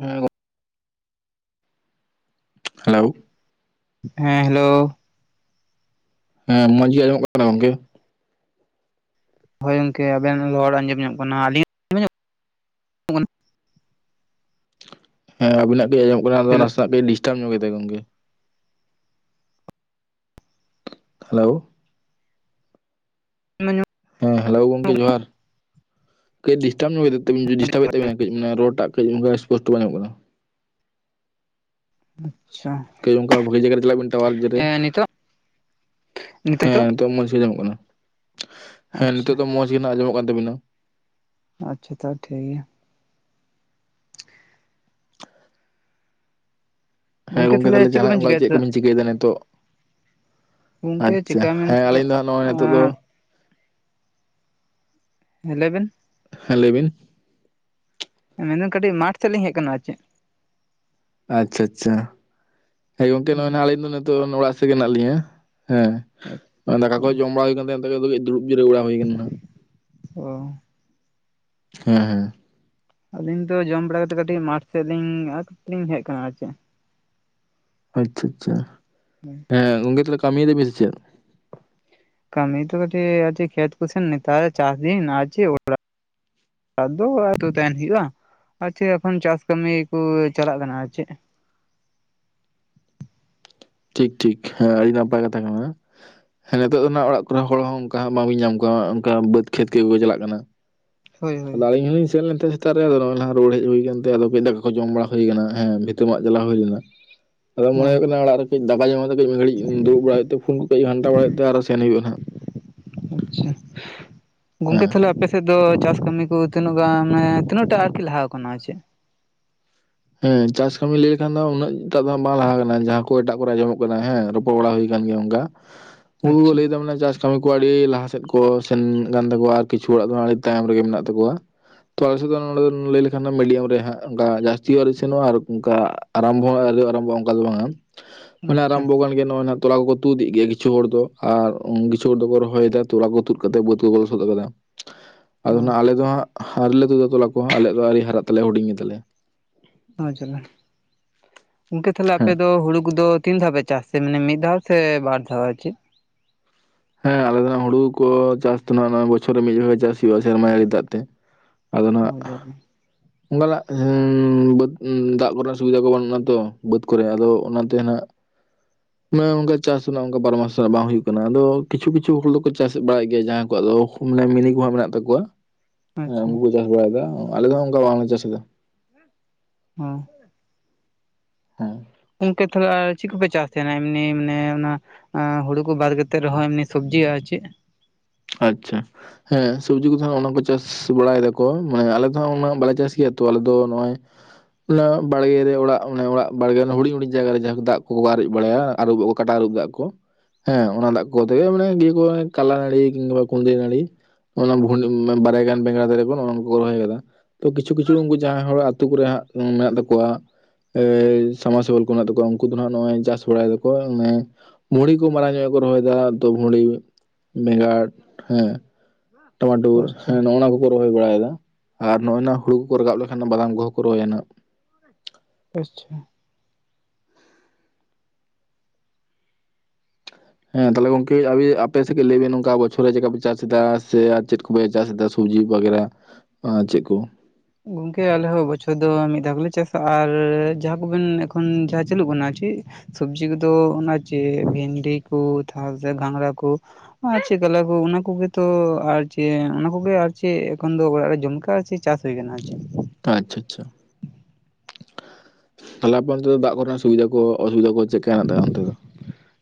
ᱦᱮᱸ ᱦᱮᱞᱳ ᱦᱮᱸ ᱦᱮᱞᱳ ᱦᱮᱸ ᱢᱚᱸᱡᱽ ᱜᱮ ᱟᱸᱡᱚᱢᱚᱜ ᱠᱟᱱᱟ ᱜᱚᱝᱠᱮ ᱦᱳᱭ ᱜᱚᱝᱠᱮ ᱟᱵᱮᱱ ᱦᱚᱲ ᱟᱸᱡᱚᱢ ᱧᱚᱜ ᱠᱟᱱᱟ ᱟᱹᱞᱤᱧ ᱦᱮᱸ ᱟᱵᱤᱱᱟᱜ ᱠᱟᱹᱭ ᱟᱸᱡᱚᱢ ᱠᱟᱱᱟ ᱟᱫᱚ ᱦᱮᱞᱳ ᱱᱟᱥᱮᱱᱟᱜ ᱠᱟᱹ ᱞᱤᱥᱴᱟᱨᱢ ᱧᱚᱜ ᱠᱮᱫᱟ ᱜᱚᱝᱠᱮ ᱦᱮᱞᱳ ᱦᱮᱸ ᱦᱮᱞᱳ ᱜᱚᱢᱠᱮ ᱡᱚᱦᱟᱨ [inaudible] ᱠᱟᱹᱡ ᱰᱤᱥᱴᱟᱵ ᱧᱚᱜ ᱰᱴᱟᱵ ᱮ ᱛᱵᱤᱱᱟ ᱠᱟᱹᱡ ᱢᱟᱱ ᱨᱚ ᱴᱟᱜ ᱠᱟᱹᱡ ᱥᱯᱚᱥᱴᱚ ᱵᱟᱝ ᱧᱟᱢᱚᱜ ᱠᱟᱱᱟ ᱟᱪᱷᱟ ᱚᱱᱠᱟ ᱵᱷᱟᱜᱤ ᱡᱟᱭᱜᱟ ᱨᱮ ᱪᱟᱞᱟᱜ ᱵᱮᱱ ᱴᱟᱣᱟᱨ ᱨᱮ ᱱᱤᱛᱚᱜ [inaudible] ᱦᱮᱸ ᱱᱤᱛᱚᱜ ᱢᱚᱸᱡᱽ ᱜᱮ ᱟᱸᱡᱚᱢᱚᱜ ᱠᱟᱱᱟ ᱦᱮᱸ ᱱᱤᱛᱚᱜ ᱟᱪᱪᱷᱟ ᱫᱚ ᱢᱚᱸᱡᱽ ᱜᱮ ᱦᱟᱜ ᱟᱸᱡᱚᱢᱚᱜ ᱠᱟᱱ ᱛᱟᱵᱤᱱᱟ ᱟᱪᱷᱟ ᱛᱚᱵ ᱴᱷᱤᱠ ᱜᱮᱭᱟ ᱦᱮᱸ ᱜᱚᱝᱠᱮ ᱜᱚᱝᱠᱠᱮ ᱛᱟᱦᱚᱞᱮ ᱛᱟᱦᱚᱞᱮᱟᱸᱱᱟᱜ ᱠᱚᱵᱮᱱ ᱚᱱᱠᱟ ᱪᱤᱠᱟᱭᱮᱫ ᱪᱮᱫ ᱛᱮ ᱠᱚᱵᱤᱱ ᱪᱤᱠᱟᱹᱭᱮᱫᱟ ᱱᱤᱛᱚᱜ ᱜᱚᱝᱠᱮ ᱟᱪᱷᱟ ᱪᱤᱠᱟ ᱦᱮᱸ ᱢᱮᱱᱛᱮ ᱟᱹᱞᱤᱧ ᱫᱚ ᱦᱟᱸᱜ ᱱᱚᱜᱼᱚᱭ ᱱᱤᱛᱚᱜ ᱫᱚ ᱮᱸ ᱦᱮᱸ ᱞᱟᱹᱭᱵᱮᱱ ᱦᱮᱸ ᱞᱟᱹᱭ ᱵᱤᱱ ᱢᱮᱱᱫᱟᱹᱧ ᱠᱟᱹᱴᱤᱡ ᱢᱟᱴᱷ ᱥᱮᱞᱤᱧ ᱦᱮᱡ ᱟᱠᱟᱱᱟ ᱟᱨ ᱪᱮᱫ ᱟᱪᱪᱷᱟ ᱟᱪᱪᱷᱟ ᱦᱮᱸ ᱜᱚᱝᱠᱮ ᱦᱳᱭ ᱱᱚᱜᱼᱚᱭ ᱱᱟᱜ ᱟᱹᱞᱤᱧ ᱫᱚ ᱱᱤᱛᱚᱜ ᱚᱲᱟᱜ ᱥᱮᱫ ᱜᱮ ᱢᱮᱱᱟᱜ ᱞᱤᱧᱟᱹ᱾ ᱦᱮᱸ ᱫᱟᱠᱟ ᱠᱚ ᱚ ᱡᱚᱢ ᱵᱟᱲᱟ ᱦᱩᱭ ᱠᱟᱱ ᱛᱮ ᱮᱱᱛᱮ ᱜᱮ ᱫᱩᱲᱩᱵ ᱡᱤᱨᱟᱹᱣ ᱵᱟᱲᱟ ᱦᱩᱭ ᱟᱠᱟᱱᱟ᱾ ᱚ ᱦᱮᱸ ᱦᱮᱸ ᱟᱹᱞᱤᱧ ᱫᱚ ᱡᱚᱢ ᱵᱟᱲᱟ ᱠᱟᱛᱮᱫ ᱠᱟᱹᱴᱤᱡ ᱢᱟᱴᱷ ᱥᱮᱫ ᱞᱤᱧ ᱞᱤᱧ ᱦᱮᱡ ᱟᱠᱟᱱᱟ ᱟᱨ ᱪᱮᱫ? ᱟᱪᱪᱷᱟ ᱟᱪᱪᱷᱟ [unintelligible] ᱦᱮᱸ ᱜᱚᱝᱠᱮ ᱛᱟᱦᱚᱞᱮ ᱠᱟᱹᱢᱤᱭ ᱫᱟᱵᱤᱱ ᱥᱮ ᱪᱮᱫ? ᱠᱟᱹᱢᱤ ᱛᱚ ᱠᱟᱹᱴᱤᱡ ᱠᱷᱮᱛ ᱠᱩᱥᱮᱹᱱ ᱱᱮᱛᱟᱨ ᱪᱟᱥ ᱫᱤᱱ ᱟᱨ ᱪᱮᱫ [unintelligible] ᱟᱫᱚ ᱚᱲᱟᱜ ᱨᱮ ᱛᱟᱦᱮᱱ ᱦᱩᱭᱩᱜᱼᱟ ᱟᱨ ᱪᱮᱫ ᱮᱠᱷᱚᱱ ᱪᱟᱥ ᱠᱟᱹᱢᱤ ᱠᱚ ᱪᱟᱞᱟᱜ ᱠᱟᱱᱟ ᱟᱨ ᱪᱮᱫ? ᱴᱷᱤᱠ ᱴᱷᱤᱠ ᱦᱮᱸ ᱟᱹᱰᱤ ᱱᱟᱯᱟᱭ ᱠᱟᱛᱷᱟ ᱠᱟᱱᱟ᱾ ᱦᱮᱸ ᱱᱤᱛᱚᱜ ᱫᱚ ᱱᱟᱦᱟᱜ ᱚᱲᱟᱜ ᱠᱚᱨᱮ ᱦᱚᱲ ᱦᱚᱸ ᱚᱱᱠᱟ ᱵᱟᱝᱵᱤᱧ ᱧᱟᱢ ᱠᱚᱣᱟ ᱚᱱᱠᱟ ᱵᱟᱹᱫᱽ ᱠᱷᱮᱛ ᱜᱮᱠᱚ ᱪᱟᱞᱟᱜ ᱠᱟᱱᱟ᱾ ᱦᱳᱭ ᱦᱳᱭ ᱟᱫᱚ ᱟᱹᱞᱤᱧ ᱦᱚᱞᱤᱧ ᱥᱮᱱ ᱞᱮᱱᱛᱮ᱾ ᱥᱮᱛᱟᱜ ᱨᱮᱜᱮ ᱟᱫᱚ ᱱᱟᱜ ᱨᱩᱣᱟᱹᱲ ᱦᱮᱡ ᱦᱩᱭ ᱠᱟᱱᱛᱮ, ᱟᱫᱚ [unintelligible] ᱫᱟᱠᱟ ᱠᱚ ᱡᱚᱢ ᱵᱟᱲᱟ ᱦᱩᱭ ᱠᱟᱱᱟ ᱦᱮ ᱵᱷᱤᱛᱟᱹ ᱢᱟᱜ ᱪᱟᱞᱟ ᱦᱩᱭ ᱞᱮᱱᱟ᱾ ᱟᱫᱚ ᱚ ᱢᱚᱱᱮ ᱦᱩᱭᱩᱜ ᱠᱟᱱᱟ ᱚᱲᱟᱜ ᱨᱮ ᱠᱟᱹᱡ ᱫᱟᱠᱟ ᱡᱚᱢ ᱠᱟᱛᱮ ᱠᱟᱹᱡ ᱢᱤᱫ ᱜᱷᱟᱹᱲᱤᱡ ᱫᱩᱲᱩᱵ ᱵᱟᱲᱟ ᱦᱩᱭᱩᱜ ᱛᱮ ᱯᱷᱚᱱ ᱠᱚ ᱠᱟᱹᱡ ᱜᱷᱟᱱᱴᱟ ᱵᱟᱲᱟ ᱦᱩᱭᱩᱜ ᱛᱮ ᱟᱨᱦᱚᱸ ᱥᱮᱱ ᱦᱩᱭᱩᱜᱼᱟ ᱱᱟᱜ᱾ ᱟᱪᱪᱷᱟ ᱜᱚᱝᱠᱮ ᱦᱮᱸ ᱛᱟᱦᱞᱮ ᱟᱯᱮᱥᱮᱫ ᱫᱚ ᱪᱟᱥ ᱠᱟᱹᱢᱤ ᱠᱚ ᱛᱤᱱᱟᱹᱜ ᱜᱟᱱ ᱢᱟᱱᱮ ᱛᱤᱱᱟᱹᱜ ᱴᱟ ᱟᱨᱠᱤ ᱞᱟᱦᱟ ᱟᱠᱟᱱᱟ ᱟᱨ ᱪᱮᱫ? ᱦᱮᱸ ᱪᱟᱥ ᱠᱟᱹᱢᱤ ᱞᱟᱹᱭ ᱞᱮᱠᱷᱟᱱ ᱫᱚ ᱩᱱᱟᱹᱜᱴᱟᱜ ᱫᱚ ᱵᱟᱝ ᱞᱟᱦᱟ ᱠᱟᱱᱟ ᱡᱟᱦᱟᱸ ᱠᱚ ᱮᱴᱟᱜ ᱠᱚᱨᱮ ᱟᱡᱚᱢᱚᱜ ᱠᱟᱱᱟ ᱦᱮᱸ ᱨᱚᱯᱚᱲ ᱵᱟᱲᱟ ᱦᱩᱭ ᱟᱠᱟᱱ ᱜᱮᱭᱟ ᱚᱱᱠᱟ ᱩᱱᱠᱩ ᱟᱪᱪᱷᱟ ᱞᱟᱹᱭ ᱮᱫᱟ ᱪᱟᱥ ᱠᱟᱹᱢᱤ ᱠᱚ ᱟᱹᱰᱤ ᱞᱟᱦᱟ ᱥᱮᱫ ᱠᱚ ᱥᱮᱱ ᱠᱟᱱ ᱛᱟᱠᱚᱣᱟ ᱟᱨ ᱠᱤᱪᱷᱩ ᱦᱚᱲᱟᱜ ᱫᱚ ᱟᱹᱰᱤ ᱛᱟᱭᱚᱢ ᱨᱮᱜᱮ ᱢᱮᱱᱟᱜ ᱛᱟᱠᱚᱣᱟ᱾ ᱟᱞᱮ ᱥᱮᱫ ᱫᱚ ᱱᱚᱰᱮ ᱞᱟᱹᱭ ᱞᱮᱠᱷᱟᱱ ᱢᱤᱰᱤᱭᱟᱢ ᱨᱮ ᱦᱟᱜ ᱚᱱᱠᱟ ᱥᱤ ᱟᱣᱨᱤ ᱥᱮᱱᱚᱜᱼᱟ ᱟᱨ ᱚᱱᱠᱟ ᱟᱨᱟᱢᱵᱚ ᱟᱣᱨᱤ ᱟᱨᱟᱢᱵᱚᱜᱼᱟ᱾ ᱚᱱᱠᱟ ᱫᱚ ᱵᱟᱝᱼᱟ? ᱢᱟᱱᱮ ᱟᱪᱪᱷᱟ ᱟᱨᱟᱢᱵᱚ ᱠᱟᱱᱟ ᱱᱚᱜ-ᱚᱭ ᱱᱟᱜ ᱾ ᱛᱚᱞᱟ ᱠᱚᱠᱚ ᱛᱩᱫ ᱮᱫ ᱜᱮᱭᱟ ᱠᱤᱪᱷᱩ ᱦᱚᱲ ᱫᱚ ᱟᱨ ᱠᱤᱪᱷᱩ ᱦᱚᱲ ᱫᱚᱠᱚ ᱨᱚᱦᱚᱭᱮᱫᱟ ᱛᱚᱞᱟ ᱠᱚ ᱛᱩᱫ ᱠᱟᱛᱮ ᱵᱟᱹᱫ ᱠᱚᱠᱚ ᱞᱚᱥᱚᱫᱚ ᱟᱠᱟᱫᱟ᱾ ᱟᱫᱚ ᱚ ᱦᱟᱜ ᱟᱞᱮ ᱫᱚ ᱦᱟᱸᱜ ᱟᱣᱨᱤᱞᱮ ᱛᱩᱫᱟ ᱛᱚᱞᱟ ᱠᱚᱦᱚᱸ, ᱟᱞᱮᱭᱟᱜ ᱫᱚ ᱟᱹᱣᱨᱤ ᱦᱟᱨᱟᱜ ᱛᱟᱞᱮ ᱦᱩᱰᱤᱧ ᱜᱮ ᱛᱟᱞᱮᱭᱟ᱾ [unintelligible] ᱜᱚᱝᱠᱮ ᱛᱟᱦᱚᱞᱮ ᱟᱯᱮ ᱦᱮᱸ ᱫᱚ ᱦᱩᱲᱩ ᱠᱚᱫᱚ ᱛᱤᱱ ᱫᱷᱟᱣ ᱯᱮ ᱪᱟᱥ ᱛᱮ ᱢᱟᱱᱮ ᱢᱤᱫ ᱫᱷᱟᱣ ᱥᱮ ᱵᱟᱨ ᱫᱷᱟᱣ ᱟᱨ ᱪᱮᱫ ᱦᱮᱸ ᱟᱞᱮ ᱫᱚ ᱦᱩᱲᱩ ᱠᱚ ᱪᱟᱥ ᱫᱚ ᱱᱟᱜ, ᱵᱚᱪᱷᱚᱨ ᱨᱮ ᱢᱤᱫ ᱫᱷᱟᱣ ᱜᱮ ᱪᱟᱥ ᱦᱩᱭᱩᱜᱼᱟ ᱥᱮᱨᱢᱟ ᱡᱟᱹᱲᱤ ᱫᱟᱜ ᱛᱮ᱾ ᱟᱫᱚ ᱱᱟᱜ ᱚ ᱡᱟᱞᱟ ᱚᱱᱠᱟᱱᱟᱜ ᱵᱟᱹᱫ ᱫᱟᱜ ᱠᱚᱨᱮᱱᱟᱜ ᱥᱩᱵᱤᱫᱷᱟ ᱠᱚ ᱵᱟᱹᱱᱩᱜᱼᱟ ᱛᱚ ᱵᱟᱹᱫ ᱠᱚᱨᱮ ᱟᱫᱚ ᱚᱱᱟᱛᱮ ᱦᱟᱜ ᱚᱱᱮ ᱚᱱᱠᱟ ᱪᱟᱥ ᱨᱮᱱᱟᱜ ᱚᱱᱠᱟ ᱵᱟᱨᱚ ᱢᱟᱥ ᱨᱮᱱᱟᱜ ᱵᱟᱝ ᱦᱩᱭᱩᱜ ᱠᱟᱱᱟ ᱟᱫᱚ ᱠᱤᱪᱷᱩ ᱠᱤᱪᱷᱩ ᱦᱚᱲ ᱫᱚᱠᱚ ᱪᱟᱥ ᱵᱟᱲᱟᱭ ᱜᱮᱭᱟ ᱡᱟᱦᱟᱸ ᱠᱚᱣᱟᱜ ᱫᱚ ᱢᱟᱱᱮ ᱢᱤᱱᱤ ᱠᱚ ᱦᱟᱸᱜ ᱢᱮᱱᱟᱜ ᱛᱟᱠᱚᱣᱟ ᱦᱮᱸ ᱟᱪᱪᱷᱟ ᱩᱱᱠᱩ ᱠᱚ ᱪᱟᱥ ᱵᱟᱲᱟᱭᱮᱫᱟ ᱟᱞᱮ ᱫᱚ ᱚᱱᱠᱟ ᱵᱟᱝᱞᱮ ᱪᱟᱥ ᱮᱫᱟ᱾ ᱦᱮᱸ [unintelligible] ᱜᱚᱝᱠᱮ ᱛᱟᱦᱚᱞᱮ ᱪᱮᱫ ᱠᱚᱯᱮ ᱪᱟᱥ ᱛᱟᱦᱮᱱᱟ? ᱮᱢᱱᱤ ᱢᱟᱱᱮ ᱚᱱᱟ ᱟ ᱦᱩᱲᱩ ᱠᱚ ᱵᱟᱫ ᱠᱟᱛᱮᱫ ᱨᱚᱦᱚᱸ ᱮᱢᱱᱤ ᱥᱚᱵᱡᱤᱜ ᱟᱨ ᱪᱮᱫ? ᱟᱪᱪᱷᱟ ᱦᱮᱸ ᱥᱚᱵᱡᱤ ᱠᱚᱫᱚ ᱱᱟᱜ ᱚᱱᱟ ᱠᱚ ᱪᱟᱥ ᱵᱟᱲᱟᱭ ᱫᱟᱠᱚ ᱢᱟᱱᱮ ᱟᱞᱮ ᱫᱚ ᱦᱟᱜ ᱩᱱᱟᱹᱜ ᱵᱟᱞᱮ ᱪᱟᱥ ᱜᱮᱭᱟ ᱛᱚ ᱟᱞᱮ ᱫᱚ ᱱᱚᱜ-ᱚᱭ ᱚᱱᱟ ᱵᱟᱲᱜᱮ ᱨᱮ ᱚᱲᱟᱜ ᱚᱲᱟᱜ ᱵᱟᱲᱜᱮ ᱨᱮ ᱦᱩᱰᱤᱧ ᱦᱩᱰᱤᱧ ᱡᱟᱭᱜᱟ ᱨᱮ ᱡᱟᱦᱟᱸ ᱫᱟᱜ ᱠᱚᱠᱚ ᱠᱚ ᱟᱨᱮᱡ ᱵᱟᱲᱟᱭᱟ ᱟᱹᱨᱩᱚᱵᱚᱜ ᱟᱠᱚ ᱠᱟᱴᱟ ᱟᱹᱨᱩᱵ ᱫᱟᱜ ᱠᱚ, ᱦᱮᱸ ᱚᱱᱟ ᱫᱟᱜ ᱠᱚᱛᱮ ᱜᱮ ᱢᱟᱱᱮ ᱤᱭᱟᱹ ᱠᱚ ᱠᱟᱞᱞᱟ ᱱᱟᱹᱲᱤ ᱠᱤᱝᱵᱟ ᱠᱩᱸᱫᱨᱤ ᱱᱟᱹᱲᱤ ᱚᱱᱟ ᱵᱷ [unintelligible] ᱵᱟᱨᱟᱭ ᱜᱟᱱ ᱵᱮᱸᱜᱟᱲ ᱫᱟᱨᱮ ᱠᱚ ᱱᱚᱜ-ᱚᱭ ᱱᱚᱣᱟ ᱠᱚ ᱨᱚᱦᱚᱭ ᱟᱠᱟᱫᱟ᱾ ᱛᱚ ᱠᱤᱪᱷᱩ ᱠᱤᱪᱷᱩ ᱩᱱᱠᱩ ᱡᱟᱦᱟᱸᱭ ᱦᱚᱲ-ᱟᱜ ᱟᱹᱛᱩ ᱠᱚᱨᱮᱦᱟᱜ ᱢᱮᱱᱟᱜ ᱛᱟᱠᱚᱣᱟ᱾ ᱮ ᱥᱟᱢᱟᱥ ᱥᱮᱵᱮᱞ ᱠᱚ ᱢᱮᱱᱟᱜ ᱛᱟᱠᱚᱣᱟ ᱩᱱᱠᱩ ᱫᱚ ᱦᱟᱜ ᱱᱚᱜᱼᱚᱭ ᱪᱟᱥ ᱵᱟᱲᱟᱭ ᱫᱟᱠᱚ᱾ ᱵᱷᱩᱲᱤ ᱠᱚ ᱢᱟᱨᱟᱝ ᱧᱚᱜ ᱠᱚ ᱨᱚᱦᱚᱭᱮᱫᱟ ᱛᱚ ᱵᱷᱩᱲᱤ ᱵᱮᱸᱜᱟᱲ ᱦᱮᱸ ᱴᱟᱢᱟᱴᱩᱨ ᱟᱪᱪᱷᱟ ᱦᱮᱸ ᱱᱚᱜ ᱱᱟ ᱠᱚ ᱠᱚ ᱨᱚᱦᱚᱭ ᱵᱟᱲᱟᱭᱮᱫᱟ ᱟᱨ ᱱᱚᱜᱼᱚᱭ ᱱᱟᱜ ᱦᱩᱲᱩ ᱠᱚ ᱨᱟᱠᱟᱵ ᱞᱮᱠᱷᱟᱱ ᱵᱟᱫᱟᱢ ᱠᱚᱦᱚᱸ ᱠᱚ ᱨᱚᱦᱚᱭᱟ ᱱᱟᱜ᱾ ᱟᱪᱪᱷᱟ ᱦᱮᱸ ᱛᱟᱦᱚᱞᱮ ᱜᱚᱝᱠᱮ [unintelligible] ᱟᱯᱮ ᱥᱮᱜ ᱜᱮ ᱞᱟᱹᱭᱵᱤᱱ ᱱᱚᱝᱠᱟ ᱵᱚᱪᱷᱚᱨ ᱨᱮ ᱪᱤᱠᱠᱟ ᱯᱮ ᱪᱟᱥ ᱮᱫᱟ ᱥᱮ ᱟᱨ ᱪᱮᱫ ᱠᱚ ᱚᱠᱚᱭᱮ ᱪᱟᱥ ᱮᱫᱟ ᱥᱚᱵᱡᱤ ᱵᱟᱜᱮᱨᱟ ᱟᱨ ᱪᱮᱫ ᱠᱚ? ᱜᱚᱝᱠᱮ ᱟᱞᱮ ᱦᱚᱸ ᱵᱚᱪᱷᱚᱨ ᱫᱚ ᱢᱤᱫ ᱫᱷᱟᱣ ᱜᱮᱞᱮ ᱪᱟᱥᱟ ᱟᱨ ᱡᱟᱦᱟᱸ ᱠᱚᱵᱮᱱ ᱮᱠᱷᱚᱱ ᱡᱟᱦᱟᱸ ᱪᱟᱹᱞᱩᱜ ᱠᱟᱱᱟ ᱪᱮᱫ ᱥᱚᱵᱡᱤ ᱠᱚᱫᱚ ᱚᱱᱟ ᱪᱮᱫ ᱵᱷᱮᱱᱰᱤ ᱠᱚ ᱛᱟᱨᱯᱚᱨᱮ ᱜᱷᱟᱸᱝᱽᱨᱟ ᱠᱚ ᱟᱨ ᱪᱮᱫ ᱠᱚᱞᱮ ᱠᱚ ᱚᱱᱟ ᱠᱚᱜᱮ ᱛᱚ ᱟᱨ ᱪᱮᱫ ᱚᱱᱟ ᱠᱚᱜᱮ ᱟᱨ ᱪᱮᱫ ᱮᱚᱱ ᱫᱚ ᱚᱲᱟᱜ ᱨᱮ ᱡᱚᱢ ᱠᱟᱜ ᱪᱟᱥ ᱦᱩᱭ ᱠᱟᱱᱟ ᱟᱪᱪᱷᱟ ᱟᱪᱪᱷᱟ ᱟᱪᱪᱷᱟ ᱾ ᱛᱟᱦᱞᱮ ᱟᱯᱮ ᱚᱱᱛᱮ ᱫᱚ ᱫᱟᱜ ᱠᱚᱨᱮᱱᱟᱜ ᱥᱩᱵᱤᱫᱟ ᱠᱚ ᱚᱥᱩᱵᱤᱫᱟ ᱠᱚ ᱪᱮᱫ ᱦᱮᱱᱟᱜ ᱛᱟᱯᱮᱭᱟ ᱚᱱᱛᱮ ᱫᱚ?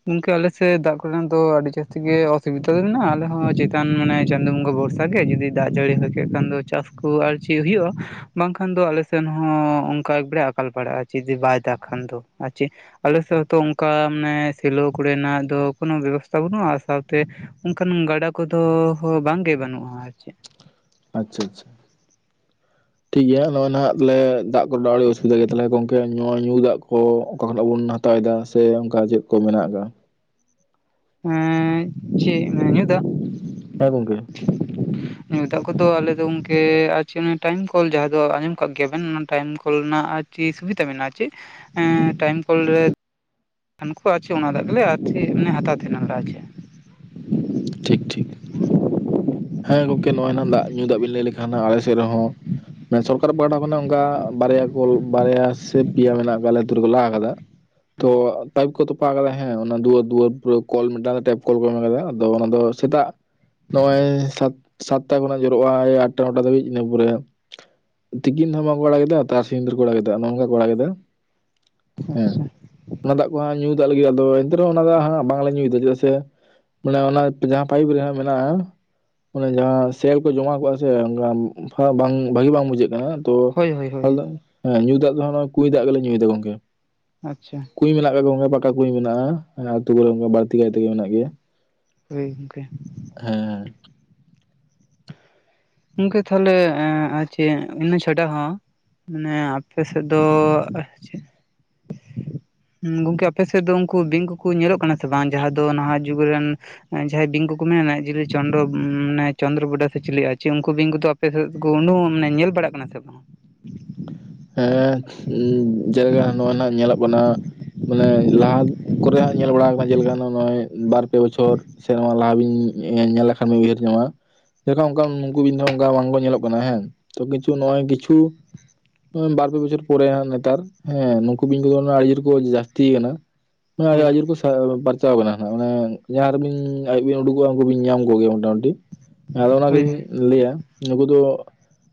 ᱜᱚᱝᱠᱮ ᱟᱞᱮᱮᱥᱮᱫ ᱫᱟᱜ ᱠᱚᱨᱮᱱᱟᱜ ᱫᱚ ᱟᱹᱰᱤ ᱡᱟᱹᱥᱛᱤ ᱜᱮ ᱚᱥᱩᱵᱤᱫᱟ ᱫᱚ ᱢᱮᱱᱟᱜᱼᱟ ᱟᱞᱮ ᱦᱚᱸ ᱪᱮᱛᱟᱱ ᱢᱟᱱᱮ ᱪᱟᱸᱫᱳ ᱵᱚᱸᱜᱟ ᱵᱷᱚᱨᱥᱟ ᱾ ᱵᱷᱟᱜᱮ ᱡᱩᱫᱤ ᱫᱟᱜ ᱡᱟᱹᱲᱤ ᱦᱩᱭ ᱠᱚ ᱠᱷᱟᱱ ᱫᱚ ᱪᱟᱥ ᱠᱚ ᱟᱨ ᱪᱮᱫ ᱦᱩᱭᱩᱜ-ᱟ ᱾ ᱵᱟᱝᱠᱷᱟᱱ ᱫᱚ ᱟᱞᱮ ᱥᱮᱱ ᱦᱚᱸ ᱚᱱᱠᱟ ᱮᱠᱵᱟᱨᱮ ᱟᱠᱟᱞ ᱯᱟᱲᱟᱜᱼᱟ ᱡᱩᱫᱤ ᱵᱟᱭ ᱫᱟᱜ ᱠᱷᱟᱱ ᱫᱚ ᱟᱨ ᱪᱮᱫ ᱟᱞᱮ ᱥᱮᱫ ᱦᱚᱛᱚ ᱚᱱᱠᱟ ᱢᱟᱱᱮ ᱥᱮᱞᱳ ᱠᱚᱨᱮᱱᱟᱜ ᱫᱚ ᱠᱳᱱᱳ ᱵᱮᱵᱚᱥᱛᱟ ᱵᱟᱹᱱᱩᱜ-ᱟ ᱥᱟᱶᱛᱮ ᱚᱱᱠᱟᱱ ᱜᱟᱰᱟ ᱠᱚᱫᱚ ᱦᱚᱸ ᱵᱟᱝ ᱜᱮ ᱵᱟᱹᱱᱩᱜ-ᱟ ᱟᱨ ᱪᱮᱫ ᱟᱪᱪᱷᱟ ᱟᱪᱪᱷᱟ, ᱴᱷᱤᱠ ᱜᱮᱭᱟ ᱱᱚᱜ-ᱚᱭ ᱱᱟᱦᱜ ᱛᱟᱞᱮ ᱫᱟᱜ ᱠᱚᱨᱮ ᱫᱚ ᱟᱹᱰᱤ ᱚᱥᱩᱵᱤᱫᱟ ᱜᱮᱭᱟ ᱛᱟᱞᱮ ᱜᱚᱝᱠᱮ ᱱᱚᱣᱟ ᱧᱩ ᱫᱟᱜ ᱠᱚ ᱚᱠᱟ ᱠᱷᱚᱱᱟᱜ ᱵᱚᱱ ᱦᱟᱸᱜ ᱦᱟᱛᱟᱣᱮᱫᱟ ᱥᱮ ᱚᱱᱠᱟ ᱪᱮᱫ ᱠᱚ ᱢᱮᱱᱟᱜ ᱟᱠᱟᱫᱟ ᱮᱸ ᱪᱮᱫ ᱧᱩ ᱫᱟᱜ ᱦᱮᱸ ᱜᱚᱝᱠᱮ ᱾ ᱦᱮᱸ ᱫᱟᱜ ᱠᱚᱫᱚ ᱟᱞᱮ ᱫᱚ ᱜᱚᱝᱠᱮ ᱴᱟᱭᱤᱢ ᱠᱚᱞ ᱡᱟᱦᱟᱸ ᱫᱚ ᱟᱸᱡᱚᱢ ᱠᱟᱜ ᱜᱮᱭᱟ ᱵᱮᱱ ᱚᱱᱟ ᱴᱟᱭᱤᱢ ᱠᱚᱞ ᱨᱮᱱᱟᱜ ᱠᱩ ᱥᱩᱵᱤᱫᱟ ᱢᱮᱱᱟᱜ-ᱟ ᱪᱮᱫ ᱮ ᱴᱟᱭᱤᱢ ᱠᱚᱞ ᱨᱮ ᱦᱟᱱᱠᱩ ᱟᱜ ᱟᱪᱷᱩ ᱦᱤᱡᱩᱜ-ᱟ ᱪᱮ ᱟᱨ ᱪᱮ ᱚᱱᱟ ᱫᱟᱜ ᱜᱮᱞᱮ ᱟᱨ ᱦᱟᱛᱟᱣ ᱛᱟᱦᱮᱱᱟᱞᱮ ᱟᱨ ᱪᱮ ᱴᱷᱤᱠ ᱴᱷᱤᱠ ᱾ ᱦᱮᱸ ᱜᱚᱝᱠᱮ ᱱᱚᱜ-ᱚᱭ ᱱᱟ ᱫᱟᱜ ᱧᱩ ᱫᱟᱜ ᱵᱮᱱ ᱞᱟᱹᱭ ᱞᱮᱠᱷᱟᱱ ᱟᱞᱮ ᱥᱮᱫ ᱨᱮᱦᱚᱸ ᱥᱚᱨᱠᱟᱨ ᱯᱟᱦᱴᱟ ᱠᱷᱚᱱᱟᱜ ᱚᱱᱠᱟ ᱵᱟᱨᱭᱟ ᱠᱚᱞ ᱵᱟᱨᱭᱟ ᱥᱮ ᱯᱮᱭᱟ ᱢᱮᱱᱟᱜ ᱠᱟᱜ-ᱟ ᱟᱞᱮ ᱟᱛᱩ ᱨᱮᱠᱚ ᱞᱟᱦ ᱟᱠᱟᱫᱟ ᱾ ᱛᱚ ᱯᱟᱭᱤᱯ ᱠᱚ ᱛᱚᱯᱟ ᱠᱟᱫᱟ ᱦᱮᱸ ᱫᱩᱟᱹᱨ ᱫᱩᱣᱟᱹᱨ ᱯᱩᱨᱟ ᱠᱚᱞ ᱢᱤᱫᱴᱟᱝ ᱴᱮᱯ ᱠᱚᱞ ᱠᱚ ᱮᱢ ᱟᱠᱟᱫᱟ ᱟᱫᱚ ᱚᱱᱟ ᱫᱚ ᱥᱮᱛᱟᱜ ᱱᱚᱜᱼᱚᱭ ᱥᱟᱛᱴᱟ ᱠᱷᱚᱱᱟᱜ ᱡᱚᱨᱚᱜ-ᱟ ᱟᱴᱴᱟ ᱱᱚᱴᱟ ᱫᱷᱟᱹᱵᱤᱡ ᱤᱱᱟᱹ ᱯᱚᱨᱮ ᱛᱤᱠᱤᱱ ᱦᱚᱸ ᱵᱟᱝ ᱠᱚ ᱟᱲᱟ ᱠᱮᱫᱟ ᱛᱟᱨᱥᱤᱩᱨ ᱠᱚ ᱟᱲᱟ ᱠᱮᱫᱟ ᱱᱚᱝᱠᱟ ᱠᱚ ᱟᱲᱟ ᱠᱮᱫᱟ ᱾ ᱟᱪᱪᱷᱟ ᱚᱱᱟ ᱫᱟᱜ ᱠᱚ ᱦᱟᱸᱜ ᱧᱩᱭ ᱫᱟᱜ ᱞᱟᱹᱜᱤᱫ ᱟᱫᱚ ᱮᱱᱛᱮ ᱨᱮᱦᱚᱸ ᱚᱱᱟ ᱫᱟᱜ ᱦᱟᱸᱜ ᱵᱟᱝᱞᱮ ᱧᱩᱭᱮᱫᱟ ᱪᱮᱫᱟᱜ ᱥᱮ ᱢᱟᱱᱮ ᱚᱱᱟ ᱡᱟᱦᱟᱸ ᱯᱟᱭᱤᱯ ᱨᱮ ᱢᱮᱱᱟᱜ-ᱟ ᱚᱱᱮ ᱡᱟᱦᱟᱸ ᱥᱮᱞ ᱠᱚ ᱡᱚᱢᱟ ᱠᱚᱜ-ᱟ ᱥᱮ ᱚᱱᱠᱟ ᱵᱟᱝ ᱵᱷᱟᱜᱤ ᱵᱟᱝ ᱵᱩᱡᱷᱟᱹᱜ ᱠᱟᱱᱟ ᱾ ᱛᱚ ᱦᱳᱭ ᱦᱳᱭ ᱦᱳᱭ ᱟᱞᱮ ᱦᱮᱸ ᱧᱩ ᱫᱟᱜ ᱫᱚ ᱠᱩᱧ ᱫᱟᱜ ᱜᱮᱞᱮ ᱧᱩᱭᱮᱫᱟ ᱜᱚᱝᱠᱮ ᱾ ᱟᱪᱪᱷᱟ ᱠᱩᱸᱧ ᱢᱮᱱᱟᱜ ᱠᱟᱜ ᱜᱮᱣᱟ ᱜᱚᱝᱠᱮ ᱯᱟᱠᱟ ᱠᱩᱸᱧ ᱢᱮᱱᱟᱜ-ᱟ ᱟᱹᱛᱩ ᱠᱚᱨᱮ ᱚᱱᱠᱟ ᱵᱟᱹᱲᱛᱤ ᱠᱟᱭᱛᱮ ᱜᱮ ᱢᱮᱱᱟᱜ ᱜᱮᱭᱟ ᱾ ᱦᱳᱭ ᱜᱚᱝᱠᱮ ᱾ ᱦᱮᱸ ᱜᱚᱝᱠᱮ ᱛᱟᱦᱞᱮ ᱟᱨ ᱪᱮᱫ ᱤᱱᱟᱹ ᱪᱷᱟᱰᱟ ᱦᱚᱸ ᱢᱟᱱᱮ ᱟᱯᱮ ᱥᱮᱫ ᱫᱚ ᱪᱮᱫ ᱦᱩᱸ ᱜᱚᱝᱠᱮ ᱟᱯᱮ ᱥᱮᱫ ᱫᱚ ᱩᱱᱠᱩ ᱵᱤᱝ ᱠᱚᱠᱚ ᱧᱮᱞᱚᱜ ᱠᱟᱱᱟ ᱥᱮ ᱵᱟᱝ ᱡᱟᱦᱟᱸ ᱫᱚ ᱱᱟᱦᱟᱜ ᱡᱩᱜᱽ ᱨᱮᱱ ᱡᱟᱦᱟᱸᱭ ᱵᱤᱝ ᱠᱚ ᱢᱮᱱᱟ ᱡᱮ ᱞᱮ ᱪᱚᱱᱫᱚ ᱢᱟᱱᱮ ᱪᱚᱱᱫᱨᱚ ᱵᱚᱰᱟ ᱥᱮ ᱪᱤᱞᱤᱭᱟᱡ ᱩᱱᱠᱩ ᱵᱤᱧ ᱠᱚ ᱟᱯᱮ ᱥᱮᱫ ᱚᱰᱚᱝ ᱧᱮᱞ ᱵᱟᱲᱟᱜ ᱠᱟᱱᱟ ᱥᱮ ᱵᱟᱝ ᱦᱮᱸ ᱡᱟᱭᱜᱟ ᱱᱚᱣᱟ ᱱᱟᱜ ᱧᱮᱞᱚᱜ ᱠᱟᱱᱟ ᱢᱟᱱᱮ ᱞᱟᱦᱟ ᱠᱚᱨᱮᱜ ᱧᱮᱞ ᱵᱟᱲᱟ ᱟᱠᱟᱱᱟ ᱪᱮ ᱞᱮᱠᱟ ᱱᱚᱜ-ᱚᱭ ᱵᱟᱨ ᱯᱮ ᱯᱮ ᱵᱚᱪᱷᱚᱨ ᱥᱮ ᱱᱚᱣᱟ ᱞᱟᱦᱟ ᱵᱤᱱ ᱧᱮᱞ ᱞᱮᱠᱷᱟᱱ ᱵᱤᱱ ᱩᱭᱦᱟᱹᱨ ᱧᱟᱢᱟ ᱡᱚᱠᱦᱚᱱ ᱚᱱᱮ ᱩᱱᱠᱩ ᱵᱤᱱ ᱚᱱᱠᱟ ᱵᱟᱝᱠᱚ ᱧᱮᱞᱚᱜ ᱠᱟᱱᱟ ᱦᱮᱸ ᱠᱤᱪᱷᱩ ᱱᱚᱜ-ᱚᱭ ᱠᱤᱪᱷᱩ ᱵᱟᱨ ᱯᱮ ᱵᱚᱪᱷᱚᱨ ᱯᱚᱨᱮ ᱱᱮᱛᱟᱨ ᱦᱮᱸ ᱱᱩᱠᱩ ᱵᱤᱧ ᱟᱹᱰᱤ ᱡᱳᱨ ᱠᱚ ᱡᱟᱹᱥᱛᱤ ᱠᱟᱱᱟ ᱦᱳᱭ ᱟᱡᱩᱨ ᱠᱚ ᱛᱚ ᱵᱮᱱᱟ ᱢᱟᱱᱮ ᱡᱟᱦᱟᱸ ᱨᱮ ᱵᱤᱱ ᱟᱭᱩᱵ ᱵᱤᱱ ᱩᱰᱩᱠᱚᱜᱼᱟ ᱩᱱᱠᱩ ᱵᱤᱝ ᱧᱟᱢ ᱠᱚᱜᱮᱭᱟ ᱢᱚᱴᱟᱢᱩᱴᱤ ᱟᱫᱚ ᱚᱱᱟ ᱦᱳᱭ ᱜᱮᱞᱤᱧ ᱦᱳᱭ ᱞᱟᱹᱭᱟ ᱱᱩᱠᱩ ᱫᱚ